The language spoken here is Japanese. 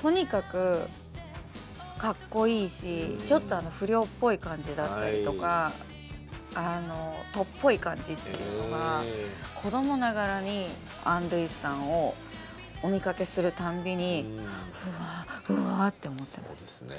とにかくかっこいいしちょっと不良っぽい感じだったりとかあのとっぽい感じっていうのが子どもながらにアン・ルイスさんをお見かけするたんびにうわっうわって思ってました。